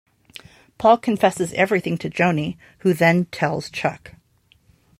Paul confesses everything to Joni, who then tells Chuck.